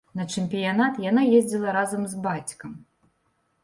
На чэмпіянат яна ездзіла разам з бацькам.